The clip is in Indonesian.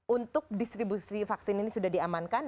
untuk distribusi vaksin ini sudah diamankan